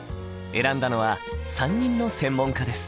選んだのは３人の専門家です。